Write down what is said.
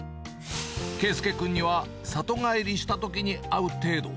佳祐君には、里帰りしたときに会う程度。